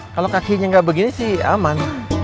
kalau kakinya nggak begini sih aman